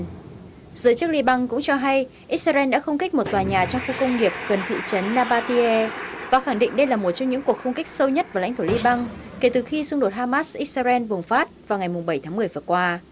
giới chức liban cũng cho hay israel đã không kích một tòa nhà trong khu công nghiệp gần thị trấn nabatierre và khẳng định đây là một trong những cuộc không kích sâu nhất vào lãnh thổ liban kể từ khi xung đột hamas israel vùng phát vào ngày bảy tháng một mươi vừa qua